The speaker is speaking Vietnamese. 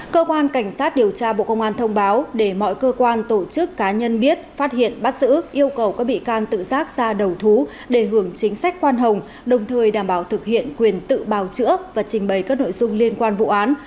cơ quan cảnh sát điều tra bộ công an thông báo để mọi cơ quan tổ chức cá nhân biết phát hiện bắt xử yêu cầu các bị can tự rác ra đầu thú để hưởng chính sách khoan hồng đồng thời đảm bảo thực hiện quyền tự bào chữa và trình bày các nội dung liên quan vụ án